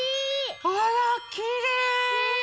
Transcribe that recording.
あらきれい！